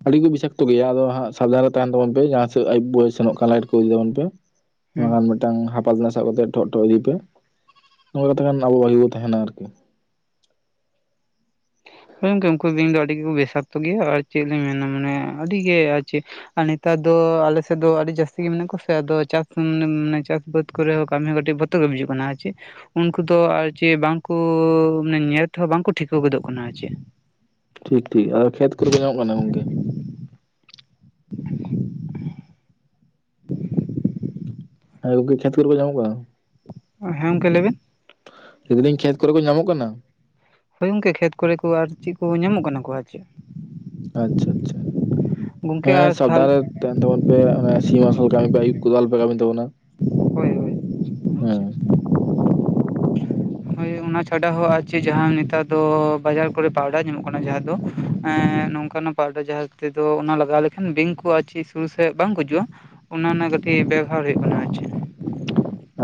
ᱟᱹᱰᱤ ᱠᱚ ᱵᱤᱥᱟᱠᱛᱚ ᱜᱮᱭᱟ ᱟᱫᱚ ᱦᱟᱸᱜ ᱥᱟᱫᱷᱟᱨᱚᱱ ᱛᱟᱦᱮᱱ ᱛᱟᱵᱚᱱ ᱯᱮ ᱡᱟᱦᱟᱸ ᱥᱮᱫ ᱟᱭᱩᱵ ᱵᱳ ᱥᱮᱱᱚᱜ ᱠᱟᱱᱟ ᱞᱟᱭᱤᱴ ᱠᱚ ᱤᱫᱤ ᱛᱟᱵᱚᱱ ᱯᱮ ᱦᱩᱸ ᱢᱤᱫᱴᱟᱝ ᱦᱟᱯᱟ ᱛᱮᱱᱟ ᱥᱟᱵ ᱠᱟᱛᱮ ᱴᱷᱚᱜ ᱴᱚᱜ ᱤᱫᱤ ᱯᱮ ᱱᱚᱝᱠᱟ ᱠᱟᱛᱮ ᱠᱷᱟᱱ ᱟᱵᱚ ᱵᱷᱟᱹᱜᱤ ᱵᱚ ᱛᱟᱦᱮᱱᱟ ᱟᱨᱠᱤ ᱾ ᱦᱮᱸ ᱜᱚᱝᱠᱮ ᱩᱱᱠᱩ ᱵᱤᱧ ᱫᱚ ᱟᱹᱰᱤ ᱜᱮᱠᱚ ᱵᱮᱥᱟᱠᱛᱚ ᱜᱮᱭᱟ ᱟᱨ ᱪᱮᱫ ᱞᱤᱧ ᱢᱮᱱᱟ ᱢᱟᱱᱮ ᱟᱹᱰᱤ ᱜᱮ ᱟᱨ ᱪᱮᱫ ᱟᱨ ᱱᱮᱛᱟᱨ ᱫᱚ ᱟᱞᱮᱥᱮᱫ ᱫᱚ ᱟᱹᱰᱤ ᱡᱟᱹᱥᱛᱤ ᱜᱮ ᱢᱮᱱᱟᱜ ᱠᱚᱣᱟ ᱥᱮ ᱟᱫᱚ ᱪᱟᱥ ᱢᱟᱱᱮ ᱢᱟᱱᱮ ᱪᱟᱥ ᱵᱟᱹᱫᱽ ᱠᱚᱨᱮ ᱦᱚᱸ ᱠᱟᱹᱢᱤ ᱦᱚᱸ ᱠᱟᱹᱴᱤᱡ ᱵᱚᱛᱚᱨ ᱜᱮ ᱵᱩᱡᱩᱜ ᱠᱟᱱᱟ ᱦᱮᱸ ᱪᱮ ᱩᱱᱠᱩ ᱫᱚ ᱟᱨ ᱪᱤ ᱵᱟᱝᱠᱩ ᱧᱮᱞ ᱛᱮᱦᱚᱸ ᱵᱟᱝᱠᱩ ᱴᱷᱤᱠᱟᱹ ᱜᱚᱫᱚᱜ ᱠᱟᱱᱟ ᱟᱨ ᱪᱤ ᱴᱷᱤᱠ ᱴᱷᱤᱠ ᱟᱨ ᱠᱷᱮᱛ ᱠᱚᱨᱮ ᱠᱚ ᱧᱟᱢᱚᱜ ᱠᱟᱱᱟ ᱜᱚᱝᱠᱮ᱾ ᱦᱮᱸ ᱜᱚᱢᱠᱮ ᱠᱷᱮᱛ ᱠᱚᱨᱮ ᱠᱚ ᱧᱟᱢᱚᱜ ᱠᱟᱱᱟ᱾ ᱦᱮᱸ ᱜᱚᱢᱠᱮ ᱞᱟᱹᱭᱵᱮᱱ ᱢᱤᱫᱟᱸᱡ ᱠᱷᱮᱛ ᱠᱚᱨᱮ ᱠᱚ ᱧᱟᱢᱚᱜ ᱠᱟᱱᱟ ᱦᱳᱭ ᱜᱚᱝᱠᱮ ᱠᱷᱮᱛ ᱠᱚᱨᱮ ᱠᱚ ᱟᱨ ᱪᱮᱫ ᱠᱚ ᱧᱟᱢᱚᱜ ᱠᱟᱱᱟ ᱠᱚ ᱟᱨ ᱪᱮᱫ ᱟᱪᱷᱟ ᱟᱪᱷᱟ ᱜᱚᱝᱠᱮ ᱟᱨ ᱦᱮᱸ ᱥᱟᱵᱫᱷᱟᱱ ᱛᱟᱦᱚᱞ ᱨᱮ ᱛᱟᱦᱮᱱ ᱛᱟᱵᱚᱱ ᱯᱮ ᱥᱮ ᱥᱤᱧ ᱢᱟᱨᱥᱟᱞ ᱠᱟᱹᱢᱤ ᱯᱮ ᱟᱹᱭᱩᱵ ᱠᱚᱫᱚ ᱟᱞᱚ ᱯᱮ ᱠᱟᱹᱢᱤ ᱛᱟᱵᱚᱱᱟ ᱾ ᱦᱳᱭ ᱦᱳᱭ [unintelligible] ᱦᱳᱭ ᱦᱳᱭ ᱚᱱᱟ ᱪᱷᱟᱰᱟ ᱦᱚᱸ ᱟᱨᱪᱤ ᱡᱟᱦᱟᱱ ᱱᱮᱛᱟᱨ ᱫᱚ ᱵᱟᱡᱟᱨ ᱠᱚᱨᱮ ᱯᱟᱣᱰᱟᱨ ᱧᱟᱢᱚᱜ ᱠᱟᱱᱟ ᱡᱟᱦᱟᱸ ᱫᱚ ᱮᱸ ᱱᱚᱝᱠᱟᱱᱚᱜ [inaudible] ᱡᱟᱦᱟᱸ ᱛᱮᱫᱚ ᱚᱱᱟ ᱞᱟᱜᱟᱣ ᱞᱮᱠᱷᱟᱱ ᱵᱤᱝ ᱠᱚ ᱟᱨ ᱪᱤ ᱥᱩᱨ ᱥᱮᱫ ᱵᱟᱝ ᱜᱩᱡᱩᱜ-ᱟ᱾ ᱚᱱᱟ ᱚᱱᱟ ᱠᱟᱹᱴᱤᱡ ᱵᱮᱵᱷᱟᱨ ᱦᱩᱭᱩᱜ ᱠᱟᱱᱟ ᱟᱪᱤ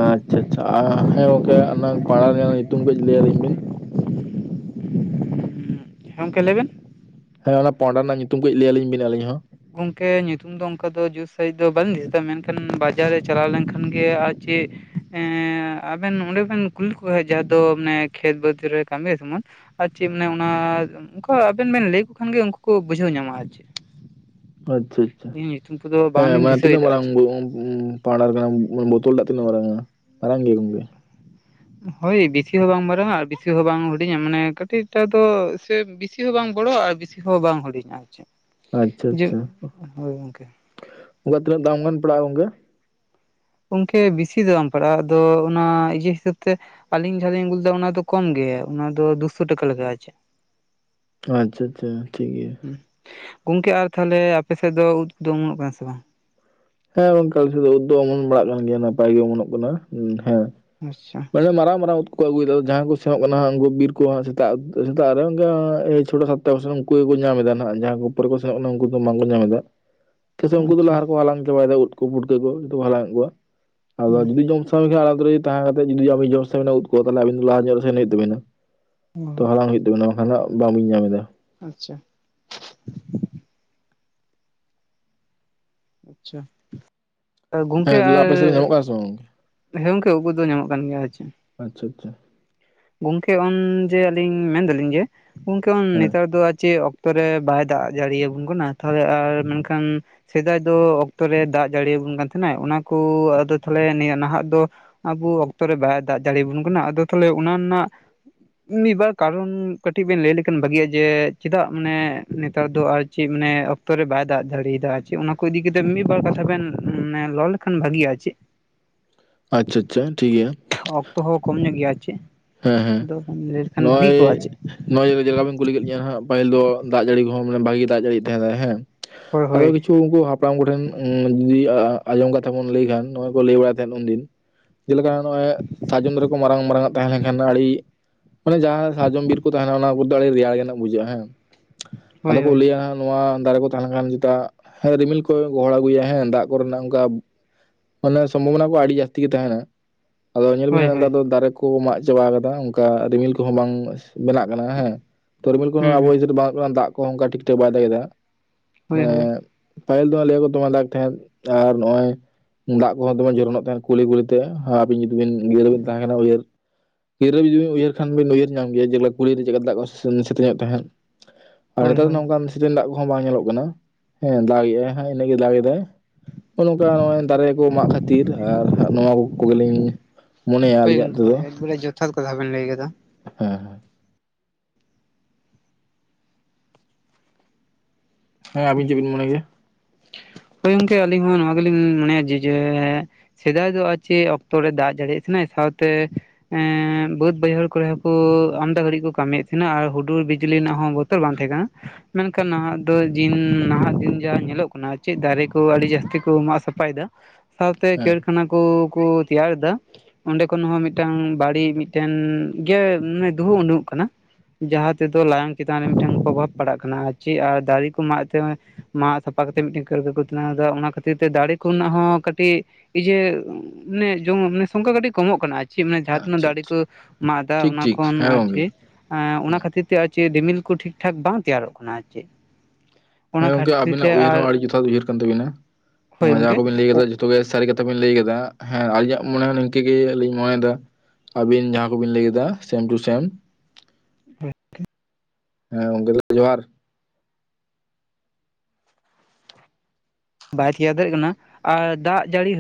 ᱟᱪᱷᱟ ᱟᱪᱷᱟ ᱦᱮᱸ ᱜᱚᱝᱠᱮ ᱚᱱᱟ ᱯᱟᱲᱟ ᱨᱮᱭᱟᱜ ᱧᱩᱛᱩᱢ ᱠᱟᱹᱡ ᱞᱟᱹᱭᱟᱞᱤᱧ ᱵᱤᱱ ᱜᱚᱝᱠᱮ ᱞᱟᱹᱭᱵᱤᱱ ᱦᱮᱸ ᱚᱱᱟ ᱯᱚᱸᱰᱟ ᱨᱮᱱᱟᱜ ᱧᱩᱛᱩᱢ ᱠᱚᱡ ᱞᱟᱹᱭᱟᱹᱞᱤᱧ ᱵᱤᱱ ᱟᱹᱞᱤᱧ ᱦᱚᱸ ᱜᱚᱝᱠᱮ ᱧᱩᱛᱩᱢ ᱫᱚ ᱚᱱᱠᱟ ᱫᱚ ᱡᱩᱫ ᱥᱟᱹᱦᱤᱡ ᱫᱚ ᱵᱟᱹᱧ ᱫᱤᱥ ᱮᱫᱟ ᱢᱮᱱᱠᱷᱟᱱ ᱵᱟᱡᱟᱨ ᱨᱮ ᱪᱟᱞᱟᱣ ᱞᱮᱱᱠᱷᱟᱱ ᱜᱮ ᱟᱨ ᱪᱮᱫ ᱮᱸ ᱟᱵᱮᱱ ᱚᱸᱰᱮ ᱠᱷᱚᱱ ᱠᱩᱞᱤ ᱠᱚ [inaudible] ᱡᱟᱦᱟᱸ ᱫᱚ ᱢᱟᱱᱮ ᱠᱷᱮᱛ ᱵᱟᱹᱫᱽ ᱨᱮ ᱠᱟᱹᱢᱤ ᱡᱮᱢᱚᱱ ᱟᱨ ᱪᱮᱫ ᱢᱟᱱᱮ ᱚᱱᱟ ᱠᱷᱚ ᱟᱵᱮᱱ ᱵᱮᱱ ᱞᱟᱹᱭᱟᱠᱚ ᱠᱷᱟᱱᱜᱮ ᱩᱱᱠᱩ ᱵᱩᱡᱷᱟᱹᱣ ᱧᱟᱢᱟ ᱟᱨ ᱪᱮᱫ ᱟᱪᱷᱟ ᱟᱪᱷᱟ ᱟᱹᱞᱤᱧ ᱧᱩᱛᱩᱢ ᱠᱚᱫᱚ ᱦᱮᱸ ᱵᱟᱝᱞᱤᱧ ᱢᱟᱱᱮ ᱛᱤᱱᱟᱹᱜ ᱫᱤᱥᱟᱹᱭᱮᱫᱟ ᱟᱨ ᱢᱟᱨᱟᱝ ᱪᱮᱫ [inaudible] [inaudible] ᱱᱚᱛᱚᱞ ᱴᱟᱜ ᱛᱤᱱᱟᱹᱜ ᱢᱟᱨᱟᱝ-ᱟ [inaudible] ᱦᱳᱭ ᱵᱮᱥᱤ ᱦᱚᱸ ᱵᱟᱝ ᱢᱟᱨᱟᱝᱟ ᱟᱨ ᱵᱤᱥᱤ ᱦᱚᱸ ᱵᱟᱝ ᱦᱩᱰᱤᱧᱟ ᱢᱟᱱᱮ ᱠᱟᱹᱴᱤᱡ ᱴᱟᱜᱫᱚ ᱥᱮ ᱵᱤᱥᱤ ᱦᱚᱸ ᱵᱟᱝ ᱵᱚᱲᱚ ᱟᱨ ᱵᱤᱥᱤ ᱦᱚᱸ ᱵᱟᱝ ᱦᱩᱰᱤᱧᱟ ᱡᱟᱹᱜ [inaudible] ᱚᱱᱟ ᱛᱤᱱᱟᱹᱜ ᱫᱟᱢᱜᱟᱱ ᱯᱟᱲᱟᱜ-ᱟ ᱜᱚᱢᱠᱮ ᱜᱚᱢᱠᱮ ᱵᱮᱥᱤ ᱫᱚ ᱵᱟᱢ ᱯᱟᱲᱟᱜ-ᱟ ᱟᱫᱚ ᱚᱱᱟ ᱤᱭᱟᱹ ᱦᱤᱥᱟᱹᱵᱽ ᱛᱮ ᱟᱹᱞᱤᱧ ᱡᱟᱦᱟᱸᱞᱤᱧ ᱟᱹᱜᱩ ᱞᱮᱫᱟ ᱚᱱᱟ ᱫᱚ ᱠᱚᱢ ᱜᱮ ᱚᱱᱟ ᱫᱚ ᱫᱩᱥᱚ ᱴᱟᱠᱟ ᱞᱟᱜᱟ ᱟᱪᱮ ᱟᱪᱷᱟ ᱟᱪᱷᱟ ᱴᱷᱤᱠ ᱜᱮᱭᱟ᱾ ᱜᱚᱝᱠᱮ ᱟᱨ ᱛᱟᱦᱚᱞᱮ ᱟᱯᱮ ᱥᱮᱫ ᱫᱚ ᱩᱫ ᱠᱚᱫᱚ ᱚᱢᱚᱱᱚᱜ ᱠᱟᱱᱟ ᱥᱮ ᱵᱟᱝ ᱦᱮᱸ ᱜᱚᱝᱠᱮ ᱟᱞᱮᱥᱮᱫ ᱫᱚ ᱩᱫ ᱫᱚ ᱚᱢᱚᱱᱚᱜ ᱵᱟᱲᱟᱜ ᱠᱟᱱ ᱜᱮᱭᱟ ᱱᱟᱯᱟᱭ ᱜᱮ ᱚᱢᱚᱱᱚᱜ ᱠᱟᱱᱟ ᱦᱮᱸ ᱟᱪᱷᱟ ᱢᱟᱱᱮ ᱢᱟᱨᱟᱝ ᱢᱟᱨᱟᱝ ᱩᱫ ᱠᱚ ᱟᱹᱜᱩᱭᱮᱫᱟ ᱡᱟᱦᱟᱸᱭ ᱠᱚ ᱥᱮᱱᱚᱜ ᱠᱟᱱᱟ ᱩᱱᱠᱚ ᱵᱤᱨ ᱠᱚ ᱥᱮᱛᱟᱜ ᱥᱮᱛᱟᱜ ᱨᱮ ᱚᱱᱠᱟ ᱪᱷᱳᱴᱟ [inaudible] ᱩᱱᱠᱩ ᱜᱮᱠᱚ ᱧᱟᱢ ᱮᱫᱟ ᱱᱟᱜ ᱡᱟᱦᱟᱸ ᱠᱚ ᱯᱚᱨᱮ ᱠᱚ ᱥᱮᱱᱚᱜ ᱠᱟᱱᱟ ᱩᱱᱠᱩ ᱫᱚ ᱵᱟᱝᱠᱚ ᱧᱟᱢ ᱮᱫᱟ ᱪᱮᱫᱟᱜ ᱥᱮ ᱩᱱᱠᱩ ᱫᱚ ᱟᱪᱪᱷᱟ ᱞᱟᱦᱟ ᱨᱮᱠᱚ ᱦᱟᱞᱟᱝ ᱪᱟᱵᱟᱭᱮᱫᱟ ᱩᱫ ᱠᱚ ᱯᱩᱴᱠᱟᱹ ᱠᱚ ᱡᱚᱛᱚ ᱠᱚ ᱦᱟᱞᱟᱝ ᱮ ᱠᱚᱣᱟ ᱟᱫᱚ ᱦᱩᱸ ᱡᱩᱫᱤ ᱡᱚᱢ [inaudible] ᱛᱟᱦᱮᱸ ᱠᱟᱛᱮ ᱡᱩᱫᱤ ᱡᱚᱢ ᱵᱤ ᱡᱚᱢ ᱥᱟᱱᱟ ᱩᱫ ᱠᱚ ᱛᱟᱦᱚᱞᱮ ᱟᱵᱤᱱ ᱞᱟᱦᱟ ᱧᱚᱜᱨᱮ ᱥᱮᱱ ᱦᱩᱭᱩᱜ ᱛᱟᱵᱤᱱᱟ᱾ ᱛᱚ ᱚ ᱦᱟᱞᱟᱝ ᱦᱩᱭᱩᱜ ᱛᱟᱵᱤᱱᱟ ᱵᱟᱝᱠᱷᱟᱱ ᱫᱚ ᱵᱟᱝᱵᱤᱧ ᱧᱟᱢ ᱮᱫᱟ᱾ ᱟᱪᱷᱟ ᱟᱪᱷᱟ ᱜᱚᱝᱠᱮ ᱦᱮᱸ ᱛᱟᱦᱚᱞᱮ ᱟᱨ ᱟᱯᱮ ᱥᱮᱫ ᱧᱟᱢᱚᱜ ᱠᱟᱱᱟ ᱥᱮ ᱵᱟᱝ ᱦᱮᱸ ᱜᱚᱝᱡᱮ ᱩᱫ ᱠᱚᱫᱚ ᱧᱟᱢᱚᱜ ᱠᱟᱱ ᱜᱮᱭᱟ ᱦᱮᱪᱮ ᱟᱪᱷᱟ ᱟᱪᱷᱟ ᱜᱚᱝᱠᱮ ᱚᱱ ᱡᱮ ᱟᱞᱤᱧ ᱢᱮᱱ ᱫᱟᱞᱤᱧ ᱡᱮ ᱜᱚᱝᱠᱮ ᱦᱮᱸ ᱱᱮᱛᱟᱨ ᱫᱚ ᱪᱮᱫ ᱚᱠᱛᱚ ᱨᱮ ᱵᱟᱭ ᱫᱟᱜ ᱡᱟᱲᱤ ᱭᱟᱵᱚᱱ ᱠᱟᱱᱟ ᱛᱟᱦᱚᱞᱮ ᱟᱨ ᱢᱮᱱᱠᱷᱟᱱ ᱥᱮᱫᱟᱭ ᱫᱚ ᱚᱠᱛᱚᱨ ᱨᱮ ᱫᱟᱜ ᱡᱟᱹᱲᱤᱭᱟᱵᱚᱱ ᱠᱟᱱ ᱛᱟᱦᱮᱸᱱᱟ ᱚᱱᱟᱠᱚ ᱟᱫᱚ ᱛᱟᱦᱚᱞᱮ ᱱᱤᱭᱟᱹ ᱱᱟᱦᱟᱜ ᱫᱚ ᱟᱵᱚ ᱚᱠᱛᱚᱨᱮ ᱵᱟᱭ ᱫᱟᱜ ᱡᱟᱲᱤᱭᱟᱵᱚᱱ ᱠᱟᱱᱟ ᱟᱫᱚ ᱛᱟᱦᱚᱞᱮ ᱚᱱᱟ ᱨᱮᱱᱟᱜ ᱢᱤᱫᱵᱟᱨ ᱠᱟᱨᱚᱱ ᱠᱟᱹᱴᱤᱡ ᱵᱮᱱ ᱞᱟᱹᱭ ᱞᱮᱠᱷᱟᱱ ᱵᱷᱟᱹᱜᱤᱭᱟ ᱡᱮ ᱪᱮᱫᱟᱜ ᱢᱟᱱᱮ ᱱᱮᱛᱟᱨ ᱫᱚ ᱟᱨ ᱪᱮ ᱢᱟᱱᱮ ᱚᱠᱛᱚᱨᱮ ᱵᱟᱭ ᱫᱟᱜ ᱫᱟᱲᱤᱭᱟᱫᱟ ᱪᱮ ᱚᱱᱟ ᱠᱚ ᱤᱫᱤᱠᱟᱛᱮ ᱢᱤᱫ ᱵᱟᱨ ᱠᱟᱛᱷᱟ ᱵᱮᱱ ᱨᱚᱲ ᱞᱮᱠᱷᱟᱱ ᱵᱷᱟᱜᱤᱭᱟ ᱪᱮ ᱟᱪᱷᱟ ᱟᱪᱷᱟ ᱴᱷᱤᱠ ᱜᱮᱭᱟ ᱚᱠᱛᱚ ᱦᱚᱸ ᱠᱚᱢ ᱧᱚᱜ ᱜᱮᱭᱟ ᱪᱮ ᱦᱮᱸ ᱻᱦᱮᱸ ᱱᱚᱜᱼᱚᱭ ᱟᱨ ᱪᱮᱫ ᱱᱚᱼᱚᱭᱟᱭᱜᱟ ᱡᱟᱭᱜᱟ ᱵᱮᱱ ᱠᱩᱞᱤ ᱠᱮᱫᱤᱧᱟᱹ ᱦᱦᱟᱜ ᱯᱟᱹᱤᱞ ᱫᱚ ᱫᱟᱜ ᱡᱟᱹᱲᱤ ᱠᱚᱦᱚᱸᱟᱱᱮ ᱵᱷᱟᱜᱤ ᱫᱟᱜ ᱡᱟᱹᱲᱤ ᱛ ᱛᱟᱦᱮᱸᱱᱟ ᱦᱮᱸ ᱦᱳᱭ [unintelligible] ᱟᱫᱚ ᱦᱳᱭ ᱠᱤᱪᱷᱩ ᱩᱱᱠᱩ ᱦᱟᱯᱲᱟᱢ ᱠᱚᱴᱷᱮᱱ ᱡᱩᱫᱤ ᱟᱸᱡᱚᱢ ᱠᱟᱛᱷᱟ ᱵᱚᱱ ᱞᱟᱹᱭ ᱠᱷᱟᱱ ᱱᱚᱚᱭ ᱠᱚ ᱞᱟᱹᱭ ᱵᱟᱲᱟᱭ ᱛᱫ ᱩᱱᱫᱤᱱ ᱡᱮᱞᱮᱠᱟ ᱱᱚᱜ ᱚᱭ ᱥᱟᱨᱡᱚᱢ ᱫᱟᱨᱮ ᱠᱚ ᱢᱟᱨᱟᱝ ᱻᱢᱟᱨᱟᱝ ᱟ ᱛᱟᱦᱮᱸᱞᱮ ᱠᱷᱟᱱ ᱟᱹᱰᱤ ᱢᱟᱱᱮ ᱡᱟᱦᱟᱸ ᱥᱟᱨᱡᱚᱢ ᱵᱤᱨ ᱠᱚ ᱛᱟᱦᱮᱱᱟ ᱚᱱᱟ ᱠᱚᱫᱚ ᱟᱹᱰᱤ ᱨᱮᱭᱟᱲ ᱜᱮᱱᱟᱜ ᱵᱩᱡᱷᱟᱹᱜᱼᱟ ᱦᱮᱸ ᱟᱫᱚ ᱦᱳᱭ ᱠᱚ ᱦᱳᱭ ᱞᱟᱹᱭ ᱱᱚᱣᱟ ᱫᱟᱨᱮ ᱠᱚ ᱛᱟᱦᱮᱸ ᱞᱮᱱᱠᱷᱟᱱ ᱡᱮᱴᱟᱜ ᱨᱤᱢᱤᱞ ᱠᱚ ᱜᱚᱦᱚᱲ ᱟᱹᱜᱩᱭᱟ ᱦᱮᱸ ᱫᱟᱜ ᱠᱚᱨᱮᱱᱟᱜ ᱚᱱᱠᱟ ᱢᱟᱱᱮ ᱥᱚᱢᱵᱷᱚᱵᱱᱟ ᱠᱚ ᱟᱹᱰᱤ ᱡᱟᱹᱥᱛᱤ ᱜᱮ ᱛᱟᱦᱮᱱᱟ ᱟᱫᱚ ᱧᱮᱞ ᱵᱤᱱ ᱦᱳᱭ ᱦᱟᱸᱜ ᱱᱮᱛᱟᱨ ᱦᱳᱭ ᱫᱚ ᱫᱟᱨᱮ ᱠᱚ ᱢᱟᱜ ᱪᱟᱵᱟ ᱠᱟᱫᱟ ᱚᱱᱠᱟ ᱨᱤᱢᱤᱞ ᱠᱚᱦᱚᱸ ᱵᱟᱝ ᱵᱮᱱᱟᱜᱼᱚ ᱦᱮᱸ ᱛᱚᱨᱢᱤᱞ ᱠᱚᱦᱚᱸ ᱦᱩᱸ ᱟᱵᱚ ᱦᱩᱸ [inaudible] ᱫᱟᱜ ᱠᱚ ᱚᱱᱠᱟ ᱴᱷᱤᱠ ᱴᱷᱟᱠ ᱵᱟᱭ ᱫᱟᱜ ᱮᱫᱟ ᱦᱳᱭ ᱦᱳᱭ [inaudible] ᱯᱟᱦᱤᱞ ᱫᱚ ᱞᱟᱹᱭ ᱠᱚ ᱛᱚᱢᱟ ᱫᱟᱜ ᱮ ᱛᱟᱦᱮᱸ ᱟᱨ ᱱᱚᱜ-ᱚᱭ ᱫᱟᱜ ᱠᱚᱦᱚᱸ ᱫᱚᱢᱮ ᱡᱚᱨᱚᱱᱚᱜ ᱛᱟᱦᱮᱱ ᱠᱩᱞᱤᱻ ᱠᱩᱞᱤ ᱛᱮ ᱟᱹᱵᱤᱱ ᱡᱩᱫᱤ ᱵᱤᱱ ᱤᱭᱟᱹᱟᱹᱨᱵᱱ ᱛᱟᱦᱮᱸ ᱠᱟᱱᱟ ᱡᱩᱫᱤ ᱩᱭᱦᱟᱹᱨ ᱜᱤᱨᱟᱹ ᱡᱩᱫᱤᱤᱱ ᱩᱭᱦ ᱠᱷᱟᱱ ᱵ ᱩᱭᱦᱟᱹᱨ ᱧᱟᱢ ᱜᱮᱭᱟ ᱡᱮᱞᱮᱠᱟ ᱠᱩᱲᱤ ᱪᱮᱠᱟ ᱫᱟᱜ ᱠᱚ ᱥᱮ ᱧᱚᱜ ᱛᱟᱦᱮᱸᱫ ᱦᱳᱭ [unintelligible] ᱦᱳᱭ ᱱᱚᱝᱠᱟ ᱥᱤᱱ ᱫᱟᱜ ᱠᱚᱦᱚᱸ ᱵᱟᱝ ᱧᱮᱞᱚᱜ ᱠᱟᱱᱟ ᱦᱮᱸ ᱫᱟᱜ ᱮᱫᱟᱭ ᱦᱮ ᱤᱱᱟᱹᱜ ᱜᱮᱭ ᱫᱟᱜ ᱮᱟᱭ ᱱᱚᱜ ᱱᱚᱝᱠᱟ ᱱᱚᱜᱚᱭ ᱫᱟᱨᱮ ᱠᱚ ᱢᱟᱜ ᱠᱷᱟᱹᱛᱤᱨ ᱟᱨᱟᱸᱜ ᱱᱚᱣᱟ ᱠᱚᱜᱮᱞᱤᱧ ᱢᱚᱱᱮᱭᱟ ᱦᱳᱭ ᱟᱹᱞᱤᱧᱟᱜ ᱜᱚᱝᱠᱮ ᱛᱮᱫᱚ ᱦᱳᱭ ᱮᱠᱵᱟᱨᱮ ᱡᱚᱛᱷᱟᱛ ᱠᱟᱛᱷᱟ ᱵᱤᱱ ᱞᱟᱹᱭ ᱠᱮᱫᱟ ᱦᱮᱸᱻᱦᱮᱸ ᱦᱮᱸ ᱟᱵᱤᱱ ᱪᱮᱫ ᱵᱤᱱ ᱢᱚᱱᱮ ᱜᱮᱭᱟ ᱦᱳᱭ ᱜᱚᱝᱠᱮ ᱟᱹᱞᱤᱧ ᱦᱚᱸ ᱱᱚᱣᱟ ᱜᱮᱞᱤᱧ ᱢᱚᱱᱮᱭᱟ ᱡᱮ ᱻᱡᱮ ᱥᱮᱫᱟᱭ ᱫᱚ ᱟᱨ ᱪᱮᱫ ᱚᱠᱛᱚ ᱨᱮ ᱫᱟᱜ ᱡᱟᱲᱤᱭᱟᱜ ᱠᱟᱱᱟᱱᱟ ᱥᱟᱶᱛᱮ ᱾ ᱮᱻᱵᱟᱹᱫ ᱵᱟᱹᱭᱦᱟᱹᱲ ᱠᱚᱨᱮ ᱦᱚᱸᱠᱩ ᱟᱢᱫᱟ ᱜᱷᱟᱹᱲᱤᱡ ᱠᱚ ᱠᱟᱹᱢᱤᱭᱮᱫ ᱛᱟᱦᱮᱸᱫᱱᱟ ᱟᱨ ᱦᱩᱰᱩᱨ ᱵᱤᱡᱞᱤ ᱨᱮᱱᱟᱜ ᱦᱚᱸ ᱵᱚᱛ ᱛ ᱵᱟᱝ ᱛᱟᱦᱮᱸ ᱠᱟᱱᱟ ᱢᱮᱱᱠᱷᱟᱱ ᱱᱟᱦᱟᱜ ᱫᱚ ᱫ ᱡᱤᱱ ᱱᱟᱦᱟᱜ ᱫᱤᱱ ᱡᱟᱦᱟᱸᱟ ᱧᱮᱞᱚᱜ ᱠᱟᱱᱟ ᱚᱱᱟ ᱪᱮᱫ ᱫᱟᱨᱮ ᱠᱚ ᱟᱹᱰᱤ ᱡᱟᱹᱥᱛᱤ ᱠᱚ ᱢᱟᱜ ᱥᱟᱯᱷᱟᱭᱮᱫᱟ ᱥᱟᱶᱛᱮ ᱦᱮᱸ ᱠᱲᱠᱷᱟᱱᱟ ᱠᱚ ᱠᱚ ᱛᱤᱭᱟᱨ ᱫ ᱟᱱᱰᱮ ᱠᱷᱚᱱ ᱦᱚᱸ ᱢᱤᱫᱴᱟᱝ ᱵᱟᱹᱲᱤᱡ ᱢᱤᱫᱴᱮᱱ ᱮᱭᱟ ᱫᱩᱦᱩ ᱩᱰᱩᱝᱚᱜ ᱠᱟᱱᱟ ᱡᱟᱦᱟᱸ ᱛᱮᱫᱚ ᱞᱟᱭᱚᱝ ᱪᱮᱛᱟᱱ ᱨᱮ ᱢᱤᱫᱴᱟᱝ ᱯᱨᱚᱵᱷᱟᱵᱽ ᱯᱟᱲᱟᱜ ᱠᱟᱱᱟ ᱪᱮᱫ ᱟᱨ ᱫᱟᱨᱮ ᱠᱚ ᱢᱟᱜ ᱛᱮ ᱦᱳ ᱢᱟᱜ ᱥᱟᱯᱟ ᱠᱟᱛᱮᱜ ᱢᱤᱫᱴᱮᱱ [unintelligible] ᱟᱫᱟ ᱚᱱᱟ ᱠᱷᱟᱹᱛᱤᱨ ᱛᱮ ᱫᱟᱲᱮ ᱠᱚᱲᱮᱱᱟᱜ ᱦᱚᱸ ᱠᱟᱹᱴᱤᱜ ᱮᱭᱟ ᱡᱮ ᱢᱟᱱᱮ ᱡᱚᱢ ᱢᱟᱱᱮ ᱥᱚᱝᱠᱷᱟ ᱠᱟᱹᱴᱤᱡ ᱠᱚᱢᱚᱜ ᱠᱟᱱᱟ ᱾ ᱪᱮᱫ ᱢᱟᱱᱮ ᱡᱟᱦᱟᱸ ᱛᱤᱱᱟᱹᱜ ᱟᱪᱪᱷᱟ ᱫᱟᱲᱮ ᱟᱪᱪᱷᱟ ᱠᱚ ᱢᱟᱜ ᱮᱫᱟ ᱴᱷᱤᱠ ᱚᱱᱟ ᱴᱷᱤᱠ ᱠᱷᱚᱱ ᱦᱮᱸ ᱟᱨ ᱜᱚᱝᱠᱮ ᱪᱮᱫ ᱚᱱᱟ ᱦᱮᱸ᱾ ᱠᱷᱟᱹᱛᱤᱨ ᱛᱮ ᱟᱨ ᱪᱮᱫ ᱨᱰᱤᱢᱤᱞ ᱠᱚ ᱴᱷᱤᱠ ᱴᱷᱟᱠ ᱵᱟᱝ ᱛᱮᱭᱟᱨᱚᱜ ᱠᱟᱱᱟ ᱟᱨ ᱪᱮᱫ ᱦᱮᱸ ᱚᱱᱟ ᱜᱚᱝᱠᱮ ᱠᱷᱟᱹᱛᱤᱨ ᱛᱮ ᱟᱵᱤᱱᱟᱜ ᱩᱭᱦᱟᱹᱨ ᱟᱨ ᱦᱚᱸ ᱟᱹᱰᱤ ᱡᱚᱛᱷᱟᱛ ᱩᱭᱦᱟᱹᱨ ᱠᱟᱱ ᱛᱟᱵᱤᱱᱟ ᱦᱳᱭ ᱱᱚᱣᱟ ᱡᱟᱦᱟᱸ ᱜᱚᱝᱠᱮ ᱠᱚᱵᱤᱱ ᱞᱟᱹᱭ ᱠᱮᱫᱟ ᱛᱚᱵᱮ ᱥᱟᱹᱨᱤ ᱠᱟᱛᱷᱟ ᱵᱮᱤᱱ ᱞᱟᱹᱭ ᱠᱮᱫᱟ ᱦᱮᱸ ᱟᱹᱞᱤᱧᱟᱜ ᱢᱚᱱᱮ ᱦᱚᱸ ᱱᱤᱝᱠᱟᱹ ᱜᱮᱞᱤᱧ ᱢᱚᱱᱮᱭᱮᱫᱟ ᱟᱹᱵᱤᱱ ᱡᱟᱦᱟᱸ ᱠᱚᱵᱤᱱ ᱞᱟᱹᱭ ᱠᱮᱫᱟ ᱥᱮᱢ ᱴᱩ ᱥᱮᱢ [unintelligible] ᱦᱮᱸ ᱜᱚᱝᱠᱮ ᱛ ᱡᱚᱦᱟᱨ ᱵᱟᱭ ᱛᱮᱭᱟᱨ ᱫᱟᱲᱮᱭᱟᱜ ᱠᱟᱱᱟ ᱟᱨ ᱫᱟᱜ ᱡᱟᱹᱲᱤ